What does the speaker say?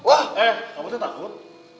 eh kamu tadi takut